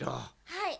はい。